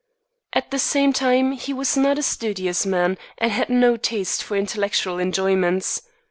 At the same time he was not a studious man, and had no taste for intellectual enjoyments.